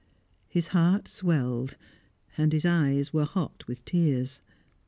His heart swelled, and his eyes were hot with tears.